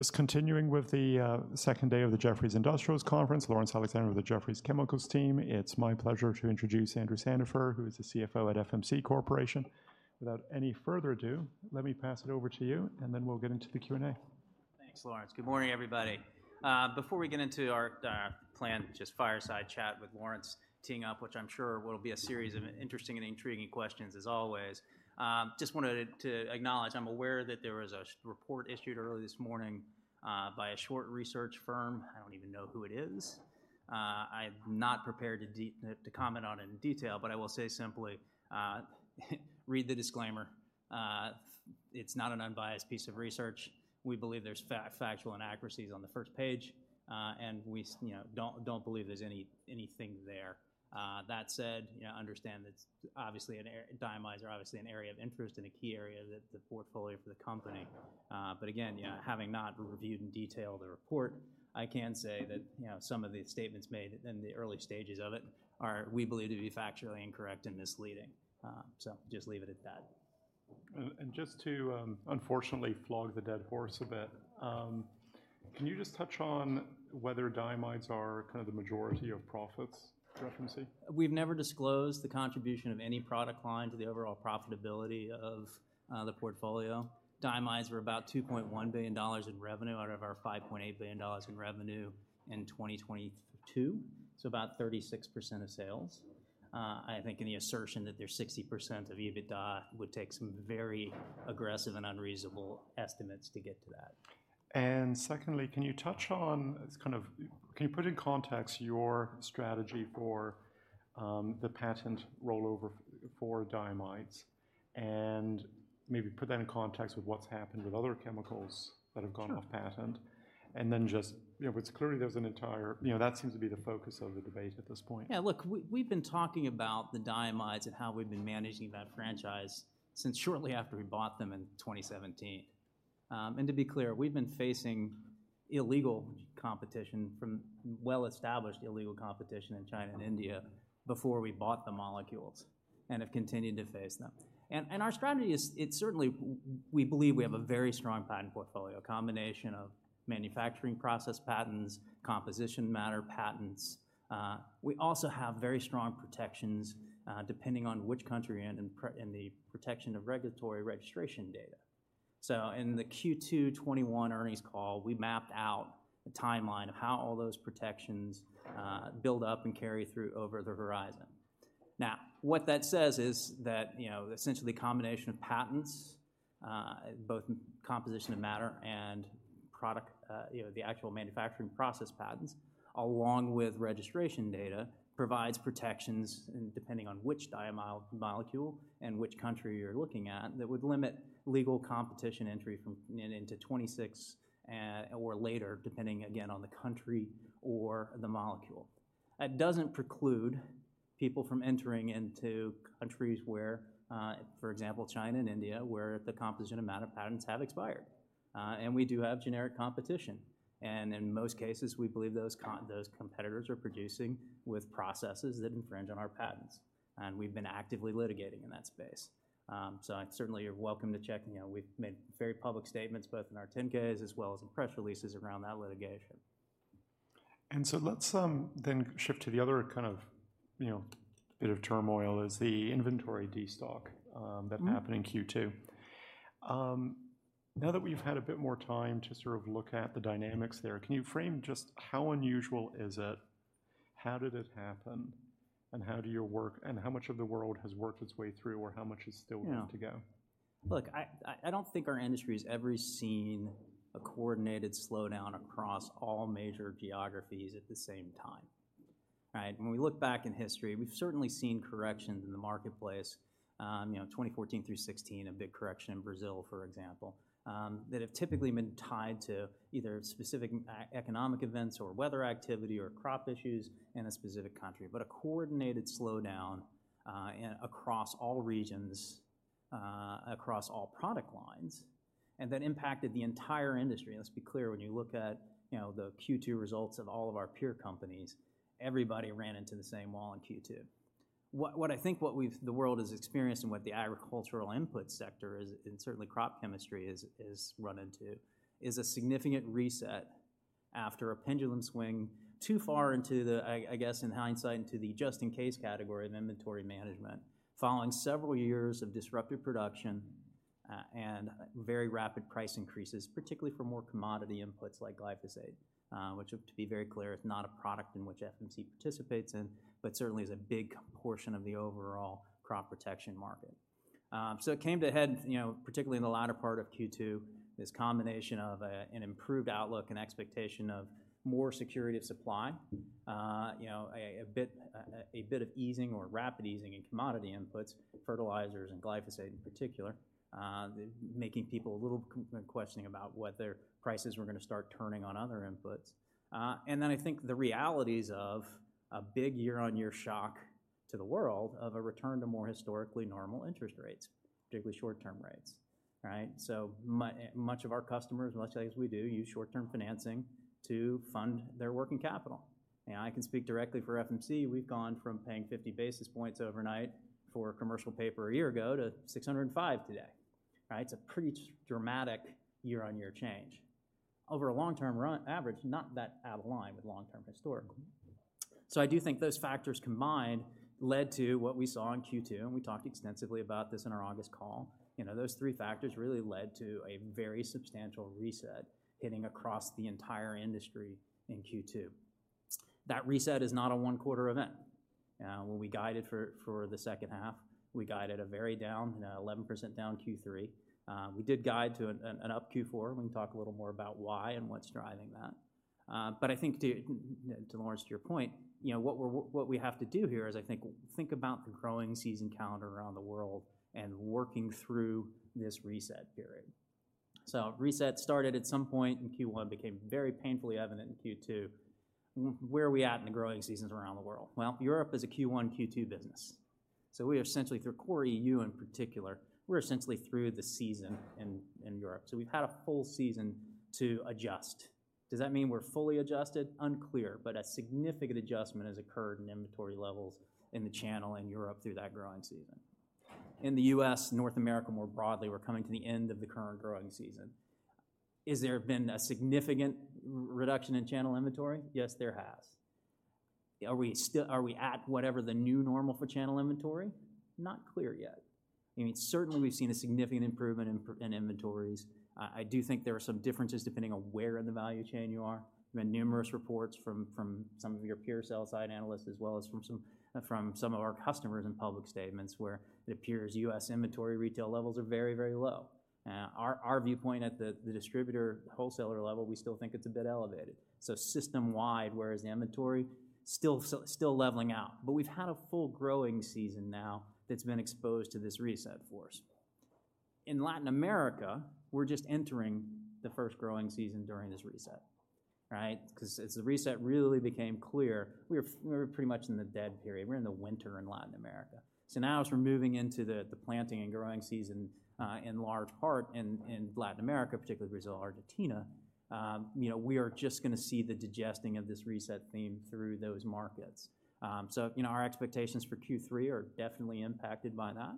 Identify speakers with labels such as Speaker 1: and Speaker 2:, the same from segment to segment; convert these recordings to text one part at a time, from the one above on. Speaker 1: Just continuing with the second day of the Jefferies Industrials Conference, Laurence Alexander with the Jefferies Chemicals team. It's my pleasure to introduce Andrew Sandifer, who is the CFO at FMC Corporation. Without any further ado, let me pass it over to you, and then we'll get into the Q&A.
Speaker 2: Thanks, Laurence. Good morning, everybody. Before we get into our planned just fireside chat with Laurence teeing up, which I'm sure will be a series of interesting and intriguing questions, as always, just wanted to acknowledge I'm aware that there was a short report issued early this morning by a short research firm. I don't even know who it is. I'm not prepared to comment on it in detail, but I will say simply, read the disclaimer. It's not an unbiased piece of research. We believe there's factual inaccuracies on the first page, and we you know, don't, don't believe there's anything there. That said, you know, understand that's obviously diamides are obviously an area of interest and a key area that the portfolio for the company. But again, you know, having not reviewed in detail the report, I can say that, you know, some of the statements made in the early stages of it are, we believe, to be factually incorrect and misleading. So just leave it at that.
Speaker 1: Just to, unfortunately, flog the dead horse a bit, can you just touch on whether diamides are kind of the majority of profits for FMC?
Speaker 2: We've never disclosed the contribution of any product line to the overall profitability of the portfolio. Diamides were about $2.1 billion in revenue out of our $5.8 billion in revenue in 2022, so about 36% of sales. I think any assertion that they're 60% of EBITDA would take some very aggressive and unreasonable estimates to get to that.
Speaker 1: And secondly, can you touch on... kind of, can you put in context your strategy for the patent rollover for Diamides, and maybe put that in context with what's happened with other chemicals that have gone-
Speaker 2: Sure.
Speaker 1: Off patent? And then just, you know, it's clearly there's an entire, you know, that seems to be the focus of the debate at this point.
Speaker 2: Yeah, look, we, we've been talking about the diamides and how we've been managing that franchise since shortly after we bought them in 2017. And to be clear, we've been facing illegal competition from well-established illegal competition in China and India before we bought the molecules and have continued to face them. And our strategy is, it's certainly, we believe we have a very strong patent portfolio, a combination of manufacturing process patents, composition matter patents. We also have very strong protections, depending on which country you're in, and the protection of regulatory registration data. So in the Q2 2021 earnings call, we mapped out a timeline of how all those protections build up and carry through over the horizon. Now, what that says is that, you know, essentially a combination of patents, both composition of matter and product, you know, the actual manufacturing process patents, along with registration data, provides protections, and depending on which diamide molecule and which country you're looking at, that would limit legal competition entry from into 2026, or later, depending, again, on the country or the molecule. That doesn't preclude people from entering into countries where, for example, China and India, where the composition of matter patents have expired. And we do have generic competition, and in most cases, we believe those competitors are producing with processes that infringe on our patents, and we've been actively litigating in that space. Certainly you're welcome to check, you know, we've made very public statements both in our 10-Ks as well as in press releases around that litigation.
Speaker 1: So let's then shift to the other kind of, you know, bit of turmoil: the inventory destock.
Speaker 2: Mm-hmm.
Speaker 1: That happened in Q2. Now that we've had a bit more time to sort of look at the dynamics there, can you frame just how unusual is it, how did it happen, and how do you work, and how much of the world has worked its way through, or how much is still-
Speaker 2: Yeah.
Speaker 1: -to go?
Speaker 2: Look, I don't think our industry has ever seen a coordinated slowdown across all major geographies at the same time, right? When we look back in history, we've certainly seen corrections in the marketplace, you know, 2014 through 2016, a big correction in Brazil, for example, that have typically been tied to either specific economic events or weather activity or crop issues in a specific country. But a coordinated slowdown across all regions, across all product lines, and that impacted the entire industry. Let's be clear, when you look at, you know, the Q2 results of all of our peer companies, everybody ran into the same wall in Q2. What I think we've—the world has experienced and what the agricultural input sector is, and certainly crop chemistry is, is run into, is a significant reset after a pendulum swing too far into the, I guess, in hindsight, into the just in case category of inventory management, following several years of disrupted production, and very rapid price increases, particularly for more commodity inputs like glyphosate, which to be very clear, is not a product in which FMC participates in, but certainly is a big portion of the overall crop protection market. So it came to a head, you know, particularly in the latter part of Q2, this combination of an improved outlook and expectation of more security of supply, you know, a bit of easing or rapid easing in commodity inputs, fertilizers and glyphosate in particular, making people a little questioning about whether prices were gonna start turning on other inputs. And then I think the realities of a big year-on-year shock to the world of a return to more historically normal interest rates, particularly short-term rates, right? So much of our customers, much like us we do, use short-term financing to fund their working capital. And I can speak directly for FMC, we've gone from paying 50 basis points overnight for commercial paper a year ago to 605 today, right? It's a pretty dramatic year-on-year change. Over a long-term run average, not that out of line with long-term historically. So I do think those factors combined led to what we saw in Q2, and we talked extensively about this in our August call. You know, those three factors really led to a very substantial reset hitting across the entire industry in Q2. That reset is not a one-quarter event. When we guided for the second half, we guided a very down 11% Q3. We did guide to an up Q4. We can talk a little more about why and what's driving that. But I think to Laurence, to your point, you know, what we have to do here is think about the growing season calendar around the world and working through this reset period. So reset started at some point, and Q1 became very painfully evident in Q2. Where are we at in the growing seasons around the world? Well, Europe is a Q1, Q2 business. So we essentially, through the EU in particular, we're essentially through the season in, in Europe, so we've had a full season to adjust. Does that mean we're fully adjusted? Unclear, but a significant adjustment has occurred in inventory levels in the channel in Europe through that growing season. In the U.S., North America, more broadly, we're coming to the end of the current growing season. Is there been a significant reduction in channel inventory? Yes, there has. Are we still at whatever the new normal for channel inventory? Not clear yet. I mean, certainly we've seen a significant improvement in, in inventories. I do think there are some differences depending on where in the value chain you are. There have been numerous reports from some of your peer sell-side analysts, as well as from some of our customers in public statements, where it appears U.S. inventory retail levels are very, very low. Our viewpoint at the distributor wholesaler level, we still think it's a bit elevated. So system-wide, where is the inventory? Still leveling out, but we've had a full growing season now that's been exposed to this reset for us. In Latin America, we're just entering the first growing season during this reset, right? Because as the reset really became clear, we're pretty much in the dead period. We're in the winter in Latin America. So now as we're moving into the planting and growing season in large part in Latin America, particularly Brazil, Argentina, you know, we are just gonna see the digesting of this reset theme through those markets. So, you know, our expectations for Q3 are definitely impacted by that.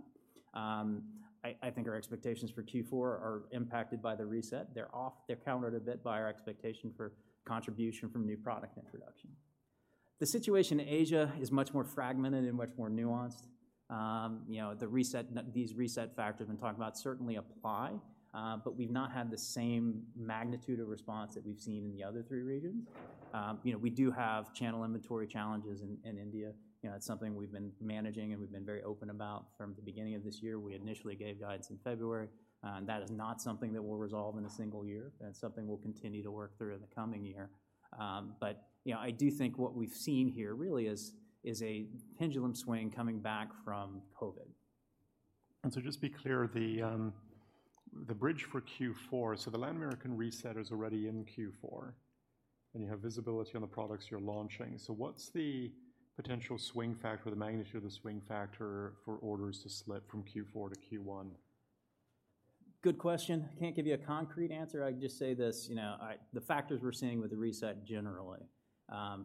Speaker 2: I think our expectations for Q4 are impacted by the reset. They're countered a bit by our expectation for contribution from new product introduction. The situation in Asia is much more fragmented and much more nuanced. You know, the reset, these reset factors we've been talking about certainly apply, but we've not had the same magnitude of response that we've seen in the other three regions. You know, we do have channel inventory challenges in India. You know, it's something we've been managing, and we've been very open about from the beginning of this year. We initially gave guides in February, and that is not something that will resolve in a single year. That's something we'll continue to work through in the coming year. But, you know, I do think what we've seen here really is a pendulum swing coming back from COVID.
Speaker 1: So just be clear, the bridge for Q4, so the Latin American reset is already in Q4, and you have visibility on the products you're launching. So what's the potential swing factor, the magnitude of the swing factor for orders to slip from Q4 to Q1?
Speaker 2: Good question. I can't give you a concrete answer. I can just say this, you know, I... The factors we're seeing with the reset generally,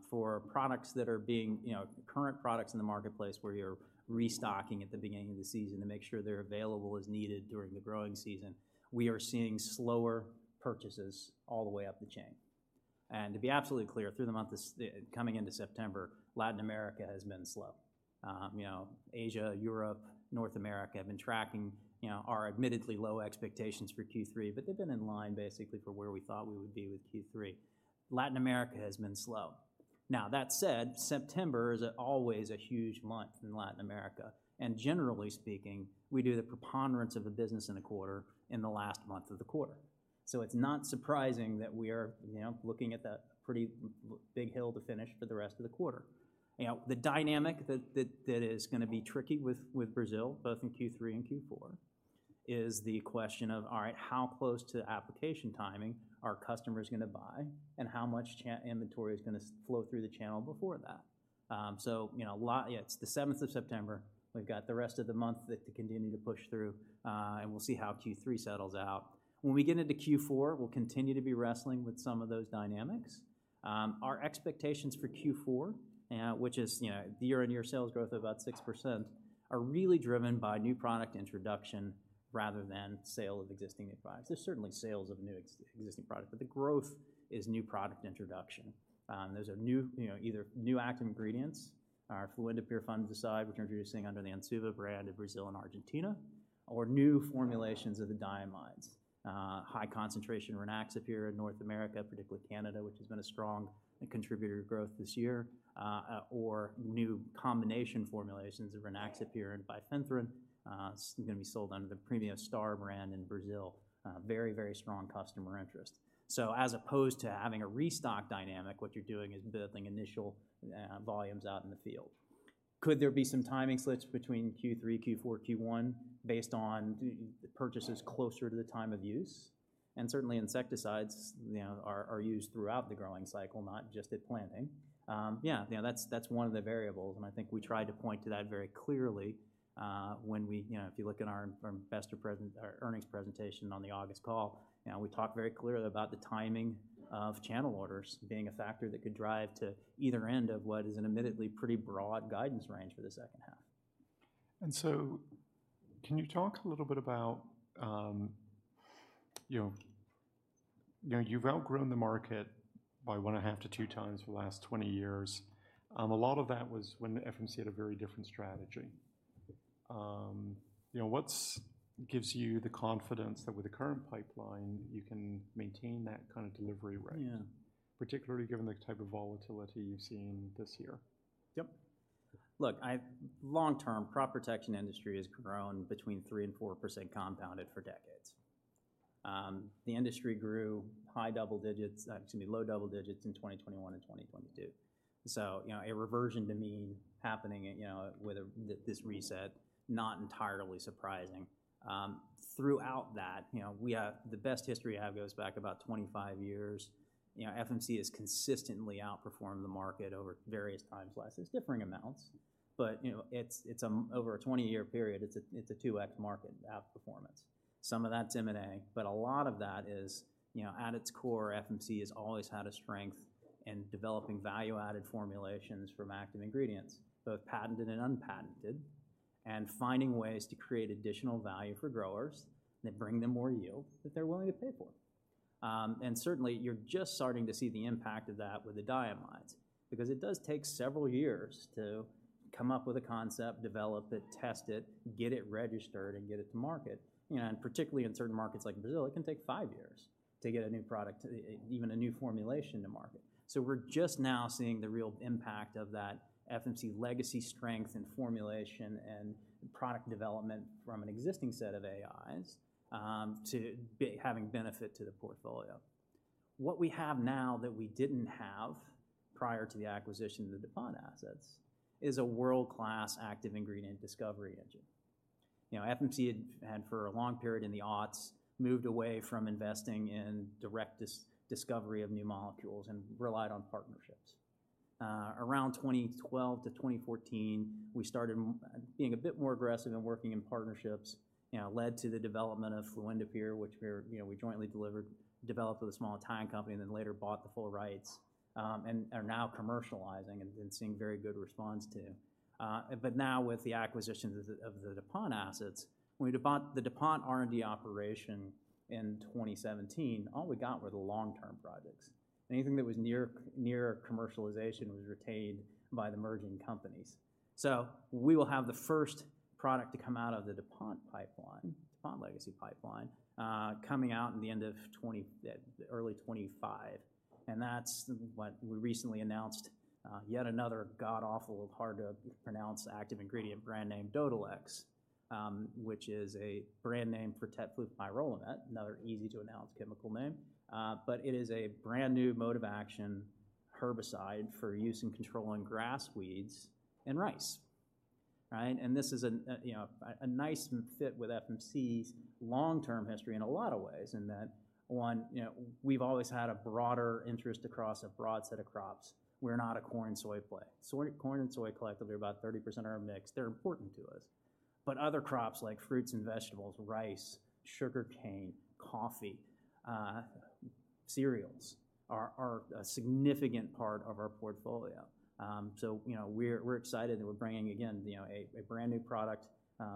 Speaker 2: for products that are being, you know, current products in the marketplace, where you're restocking at the beginning of the season to make sure they're available as needed during the growing season, we are seeing slower purchases all the way up the chain. And to be absolutely clear, through the month of coming into September, Latin America has been slow. You know, Asia, Europe, North America have been tracking, you know, our admittedly low expectations for Q3, but they've been in line basically for where we thought we would be with Q3. Latin America has been slow. Now, that said, September is always a huge month in Latin America, and generally speaking, we do the preponderance of the business in a quarter, in the last month of the quarter. So it's not surprising that we are, you know, looking at that pretty big hill to finish for the rest of the quarter. You know, the dynamic that is gonna be tricky with Brazil, both in Q3 and Q4, is the question of, all right, how close to the application timing are customers gonna buy, and how much channel inventory is gonna flow through the channel before that? So you know, it's the 17th of September. We've got the rest of the month to continue to push through, and we'll see how Q3 settles out. When we get into Q4, we'll continue to be wrestling with some of those dynamics. Our expectations for Q4, which is, you know, year-on-year sales growth of about 6%, are really driven by new product introduction rather than sale of existing advice. There's certainly sales of new ex- existing product, but the growth is new product introduction. Those are new, you know, either new active ingredients, our fluindapyr fungicide, which we're introducing under the Onsuva brand in Brazil and Argentina, or new formulations of the diamides. High concentration Rynaxypyr in North America, particularly Canada, which has been a strong contributor to growth this year, or new combination formulations of Rynaxypyr and bifenthrin. It's gonna be sold under the Premio Star brand in Brazil. Very, very strong customer interest. So as opposed to having a restock dynamic, what you're doing is building initial volumes out in the field. Could there be some timing slips between Q3, Q4, Q1, based on the purchases closer to the time of use? And certainly, insecticides, you know, are used throughout the growing cycle, not just at planting. Yeah, yeah, that's one of the variables, and I think we tried to point to that very clearly when we—you know, if you look in our investor presentation, our earnings presentation on the August call, you know, we talked very clearly about the timing of channel orders being a factor that could drive to either end of what is an admittedly pretty broad guidance range for the second half.
Speaker 1: And so can you talk a little bit about, you know. You know, you've outgrown the market by 1.5x-2x for the last 20 years. A lot of that was when FMC had a very different strategy. You know, what's gives you the confidence that with the current pipeline, you can maintain that kind of delivery rate?
Speaker 2: Yeah.
Speaker 1: Particularly given the type of volatility you've seen this year.
Speaker 2: Yep. Look, long term, crop protection industry has grown between 3%-4% compounded for decades. The industry grew high double digits, excuse me, low double digits in 2021 and 2022. So, you know, a reversion to mean happening, you know, with this reset, not entirely surprising. Throughout that, you know, we have the best history I have goes back about 25 years. You know, FMC has consistently outperformed the market over various time classes, differing amounts, but, you know, it's over a 20-year period, it's a 2x market outperformance. Some of that's M&A, but a lot of that is, you know, at its core, FMC has always had a strength in developing value-added formulations from active ingredients, both patented and unpatented, and finding ways to create additional value for growers that bring them more yield that they're willing to pay for. And certainly, you're just starting to see the impact of that with the diamides. Because it does take several years to come up with a concept, develop it, test it, get it registered, and get it to market. You know, and particularly in certain markets like Brazil, it can take 5 years to get a new product, even a new formulation to market. So we're just now seeing the real impact of that FMC legacy strength in formulation and product development from an existing set of AIs, having benefit to the portfolio. What we have now that we didn't have prior to the acquisition of the DuPont assets is a world-class active ingredient discovery engine. You know, FMC had, had for a long period in the aughts, moved away from investing in direct discovery of new molecules and relied on partnerships. Around 2012 to 2014, we started being a bit more aggressive in working in partnerships, you know, led to the development of fluindapyr, which we're, you know, we jointly developed with a small Italian company and then later bought the full rights, and are now commercializing and seeing very good response to. Now with the acquisition of the DuPont assets, when we acquired the DuPont R&D operation in 2017, all we got were the long-term projects. Anything that was near commercialization was retained by the merging companies. So we will have the first product to come out of the DuPont pipeline, DuPont legacy pipeline, coming out in the end of twenty... early 2025, and that's what we recently announced, yet another god-awful, hard-to-pronounce active ingredient brand name, Dodhylex, which is a brand name for tetflupyrolimet. Another easy-to-announce chemical name. But it is a brand-new mode of action, herbicide for use in controlling grass, weeds, and rice. Right? And this is a, you know, a nice fit with FMC's long-term history in a lot of ways, in that, one, you know, we've always had a broader interest across a broad set of crops. We're not a corn and soy play. Soy, corn and soy collectively are about 30% of our mix. They're important to us, but other crops like fruits and vegetables, rice, sugarcane, coffee, cereals, are a significant part of our portfolio. So, you know, we're excited that we're bringing, again, you know, a brand-new product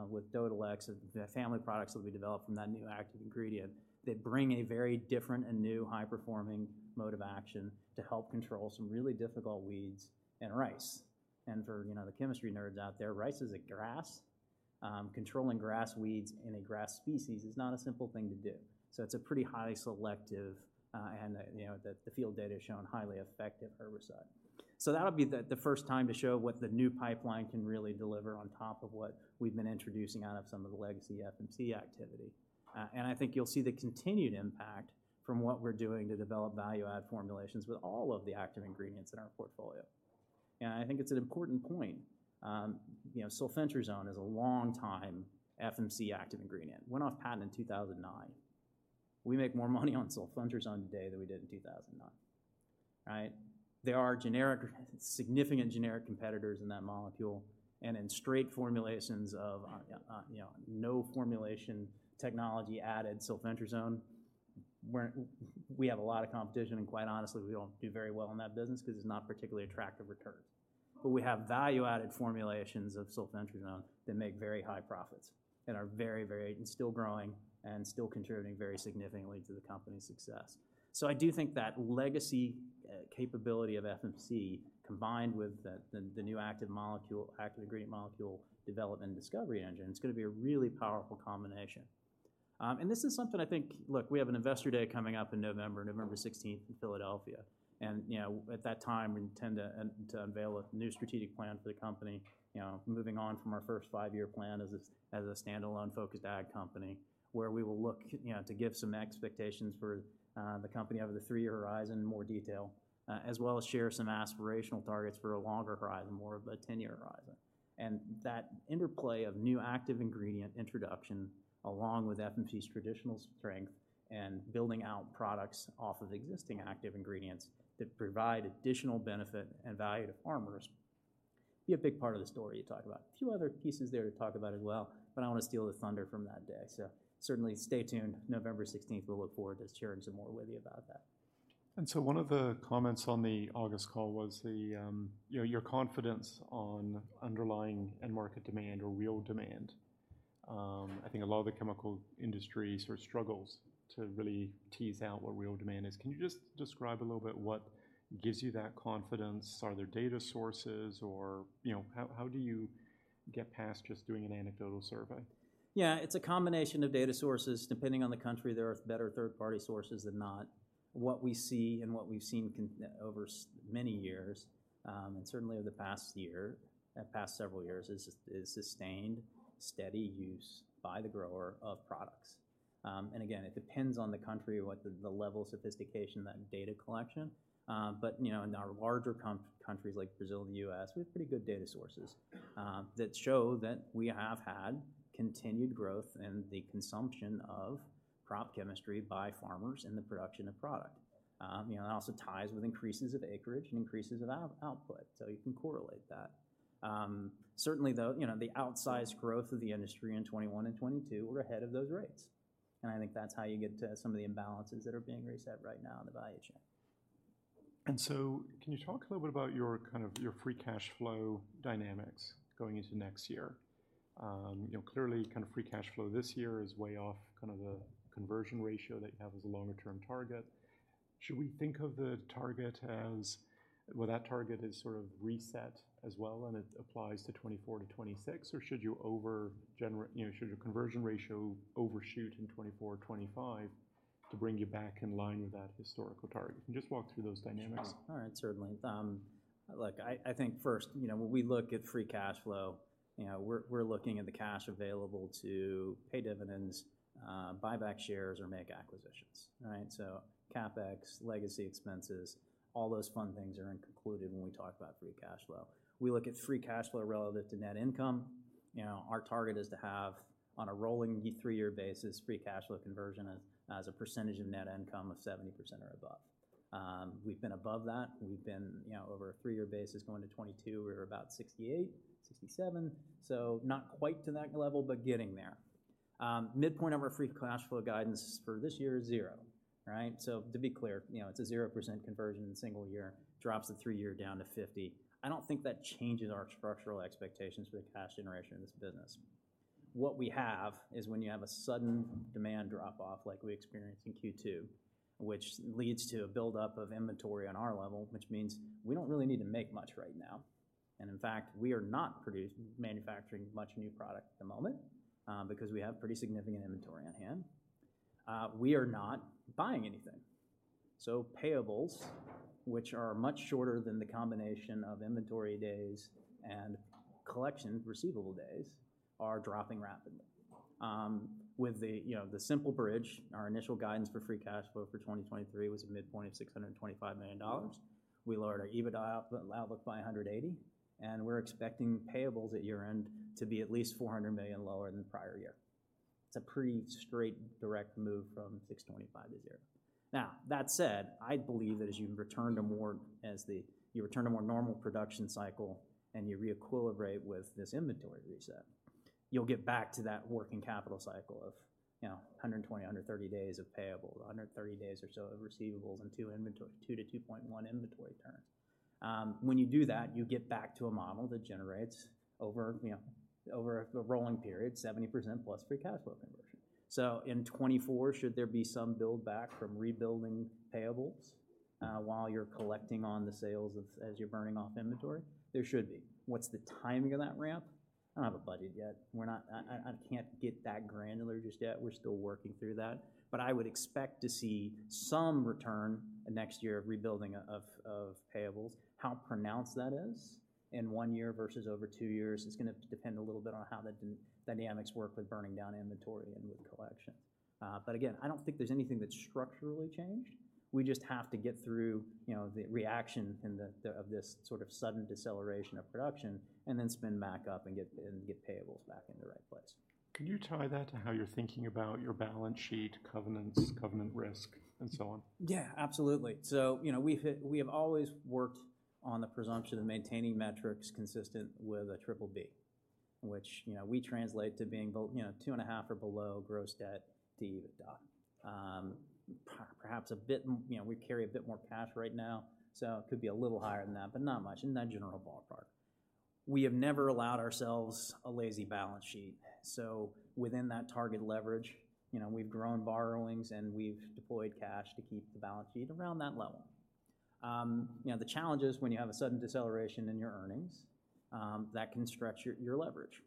Speaker 2: with Dodhylex. The family of products that will be developed from that new active ingredient that bring a very different and new high-performing mode of action to help control some really difficult weeds and rice. And for, you know, the chemistry nerds out there, rice is a grass. Controlling grass weeds in a grass species is not a simple thing to do. So it's a pretty highly selective, and, you know, the field data has shown highly effective herbicide. So that'll be the, the first time to show what the new pipeline can really deliver on top of what we've been introducing out of some of the legacy FMC activity. And I think you'll see the continued impact from what we're doing to develop value-add formulations with all of the active ingredients in our portfolio. I think it's an important point. You know, sulfentrazone is a long time FMC active ingredient, went off patent in 2009. We make more money on sulfentrazone today than we did in 2009, right? There are generic, significant generic competitors in that molecule and in straight formulations of, you know, no formulation technology added sulfentrazone, where we have a lot of competition, and quite honestly, we don't do very well in that business because it's not particularly attractive returns. But we have value-added formulations of sulfentrazone that make very high profits and are very, very, and still growing and still contributing very significantly to the company's success. So I do think that legacy capability of FMC, combined with the new active molecule, active ingredient molecule development and discovery engine, it's gonna be a really powerful combination. And this is something I think... Look, we have an investor day coming up in November, November 16th in Philadelphia, and, you know, at that time, we intend to unveil a new strategic plan for the company. You know, moving on from our first five-year plan as a, as a standalone focused ag company, where we will look, you know, to give some expectations for, the company over the three-year horizon in more detail, as well as share some aspirational targets for a longer horizon, more of a ten-year horizon. And that interplay of new active ingredient introduction, along with FMC's traditional strength and building out products off of existing active ingredients that provide additional benefit and value to farmers, be a big part of the story to talk about. A few other pieces there to talk about as well, but I don't want to steal the thunder from that day. So certainly stay tuned. November 16, we'll look forward to sharing some more with you about that....
Speaker 1: And so one of the comments on the August call was the, you know, your confidence on underlying end market demand or real demand. I think a lot of the chemical industry sort of struggles to really tease out what real demand is. Can you just describe a little bit what gives you that confidence? Are there data sources or, you know, how do you get past just doing an anecdotal survey?
Speaker 2: Yeah, it's a combination of data sources. Depending on the country, there are better third-party sources than not. What we see and what we've seen over many years, and certainly over the past year and past several years, is sustained steady use by the grower of products. And again, it depends on the country, what the level of sophistication of that data collection. But, you know, in our larger countries like Brazil and the U.S., we have pretty good data sources that show that we have had continued growth in the consumption of crop chemistry by farmers in the production of product. You know, and it also ties with increases of acreage and increases of output, so you can correlate that. Certainly, though, you know, the outsized growth of the industry in 2021 and 2022 were ahead of those rates, and I think that's how you get to some of the imbalances that are being reset right now in the value chain.
Speaker 1: So can you talk a little bit about your kind of, your free cash flow dynamics going into next year? You know, clearly, kind of free cash flow this year is way off, kind of the conversion ratio that you have as a longer-term target. Should we think of the target as... Well, that target is sort of reset as well, and it applies to 2024-2026, or should you over generate, you know, should your conversion ratio overshoot in 2024 or 2025 to bring you back in line with that historical target? Can you just walk through those dynamics?
Speaker 2: Sure. All right. Certainly. Look, I think first, you know, when we look at free cash flow, you know, we're looking at the cash available to pay dividends, buy back shares, or make acquisitions. All right? CapEx, legacy expenses, all those fun things are included when we talk about free cash flow. We look at free cash flow relative to net income. You know, our target is to have, on a rolling three-year basis, free cash flow conversion as a percentage of net income of 70% or above. We've been above that. We've been, you know, over a three-year basis going to 2022, we were about 68, 67. Not quite to that level, but getting there. Midpoint of our free cash flow guidance for this year is $0, right? So to be clear, you know, it's a 0% conversion in a single year, drops the three-year down to 50%. I don't think that changes our structural expectations for the cash generation of this business. What we have is when you have a sudden demand drop-off, like we experienced in Q2, which leads to a buildup of inventory on our level, which means we don't really need to make much right now, and in fact, we are not producing, manufacturing much new product at the moment, because we have pretty significant inventory on hand. We are not buying anything. So payables, which are much shorter than the combination of inventory days and collection receivable days, are dropping rapidly. With the, you know, the simple bridge, our initial guidance for free cash flow for 2023 was a midpoint of $625 million. We lowered our EBITDA outlook by 580, and we're expecting payables at year-end to be at least $400 million lower than the prior year. It's a pretty straight, direct move from $625 million this year. Now, that said, I believe that as you return to more, as the- you return to more normal production cycle and you re-equilibrate with this inventory reset, you'll get back to that working capital cycle of, you know, 120, 130 days of payable, 130 days or so of receivables, and 2-2.1 inventory turns. When you do that, you get back to a model that generates over, you know, over a rolling period, 70%+ free cash flow conversion. In 2024, should there be some buildback from rebuilding payables while you're collecting on the sales as you're burning off inventory? There should be. What's the timing of that ramp? I don't have a budget yet. We're not... I can't get that granular just yet. We're still working through that, but I would expect to see some return next year of rebuilding of payables. How pronounced that is in one year versus over two years, it's gonna depend a little bit on how the dynamics work with burning down inventory and with collections. Again, I don't think there's anything that's structurally changed. We just have to get through, you know, the reaction and the, the, of this sort of sudden deceleration of production and then spin back up and get payables back in the right place.
Speaker 1: Can you tie that to how you're thinking about your balance sheet, covenants, covenant risk, and so on?
Speaker 2: Yeah, absolutely. So, you know, we have always worked on the presumption of maintaining metrics consistent with a triple B, which, you know, we translate to being 2.5 or below gross debt to EBITDA. Perhaps a bit more, you know, we carry a bit more cash right now, so it could be a little higher than that, but not much, in that general ballpark. We have never allowed ourselves a lazy balance sheet, so within that target leverage, you know, we've grown borrowings and we've deployed cash to keep the balance sheet around that level. You know, the challenge is when you have a sudden deceleration in your earnings, that can stretch your leverage.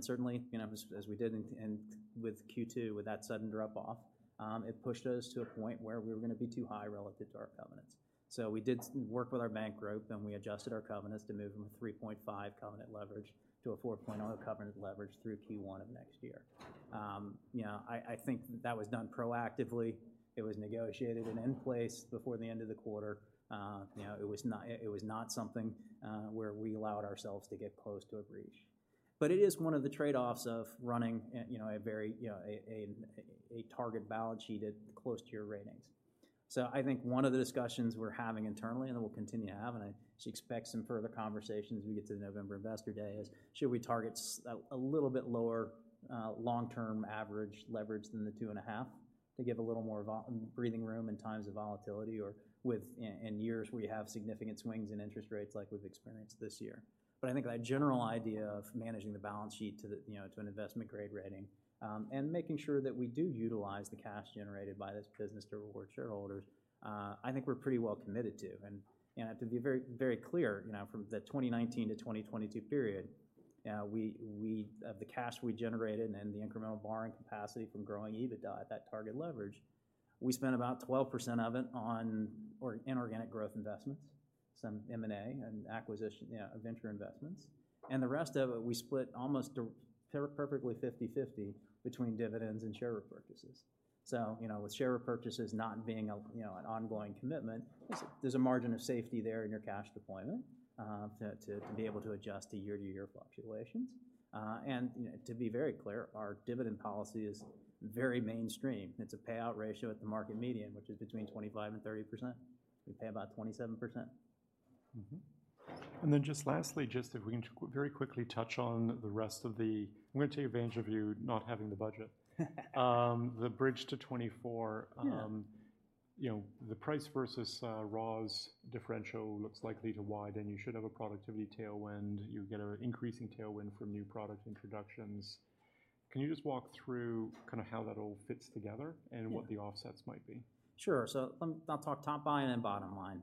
Speaker 2: Certainly, you know, as we did in Q2 with that sudden drop off, it pushed us to a point where we were gonna be too high relative to our covenants. So we did work with our bank group, and we adjusted our covenants to move from a 3.5 covenant leverage to a 4.0 covenant leverage through Q1 of next year. You know, I think that was done proactively. It was negotiated and in place before the end of the quarter. You know, it was not something where we allowed ourselves to get close to a breach, but it is one of the trade-offs of running, you know, a very targeted balance sheet at close to your ratings. So I think one of the discussions we're having internally, and we'll continue to have, and I should expect some further conversations as we get to the November Investor Day, is should we target so, a little bit lower long-term average leverage than the 2.5 to give a little more breathing room in times of volatility or within years where we have significant swings in interest rates like we've experienced this year? But I think that general idea of managing the balance sheet to the, you know, to an investment-grade rating, and making sure that we do utilize the cash generated by this business to reward shareholders, I think we're pretty well committed to. To be very, very clear, you know, from the 2019 to 2022 period, of the cash we generated and the incremental borrowing capacity from growing EBITDA at that target leverage, we spent about 12% of it on our inorganic growth investments, some M&A and acquisition, yeah, venture investments. The rest of it, we split almost perfectly 50/50 between dividends and share repurchases. You know, with share repurchases not being a, you know, an ongoing commitment, there's a margin of safety there in your cash deployment to be able to adjust to year-to-year fluctuations. You know, to be very clear, our dividend policy is very mainstream. It's a payout ratio at the market median, which is between 25%-30%. We pay about 27%.
Speaker 1: Mm-hmm. And then just lastly, just if we can very quickly touch on the rest of the... I'm gonna take advantage of you not having the budget. The bridge to 2024-
Speaker 2: Yeah.
Speaker 1: You know, the price versus, raws differential looks likely to widen, and you should have a productivity tailwind. You get an increasing tailwind from new product introductions. Can you just walk through kind of how that all fits together?
Speaker 2: Yeah.
Speaker 1: and what the offsets might be?
Speaker 2: Sure. So let me, I'll talk top line and then bottom line.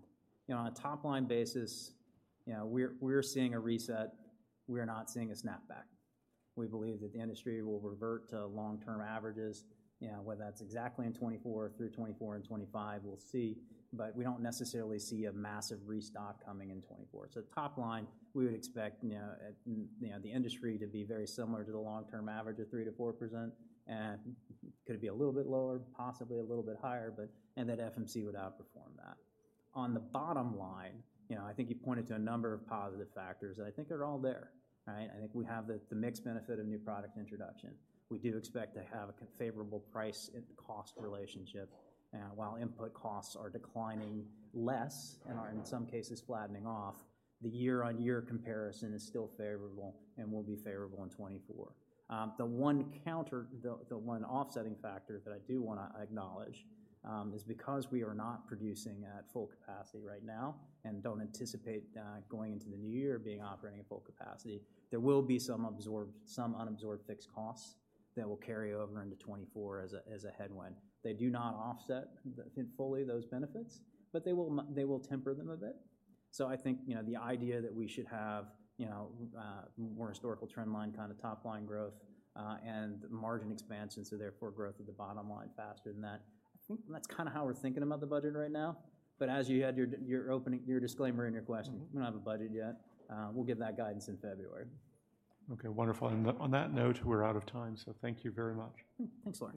Speaker 2: You know, on a top-line basis, you know, we're seeing a reset. We're not seeing a snapback. We believe that the industry will revert to long-term averages, you know, whether that's exactly in 2024, through 2024 and 2025, we'll see, but we don't necessarily see a massive restock coming in 2024. So top line, we would expect, you know, at, you know, the industry to be very similar to the long-term average of 3%-4%, and could it be a little bit lower? Possibly a little bit higher, but and that FMC would outperform that. On the bottom line, you know, I think you pointed to a number of positive factors, and I think they're all there, right? I think we have the mixed benefit of new product introduction. We do expect to have a favorable price and cost relationship. While input costs are declining less and are in some cases flattening off, the year-on-year comparison is still favorable and will be favorable in 2024. The one counter, the one offsetting factor that I do wanna acknowledge, is because we are not producing at full capacity right now and don't anticipate going into the new year being operating at full capacity, there will be some absorbed, some unabsorbed fixed costs that will carry over into 2024 as a headwind. They do not offset the fully those benefits, but they will temper them a bit. So I think, you know, the idea that we should have, you know, more historical trendline kind of top-line growth, and margin expansion, so therefore growth of the bottom line faster than that, I think that's kind of how we're thinking about the budget right now. But as you had your, your opening, your disclaimer in your question-
Speaker 1: Mm-hmm.
Speaker 2: We don't have a budget yet. We'll give that guidance in February.
Speaker 1: Okay, wonderful. On that note, we're out of time, so thank you very much.
Speaker 2: Thanks, Laurence.